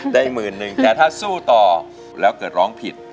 ได้๑หมื่นแต่ถ้าสู้ต่อแล้วเกิดร้องผิด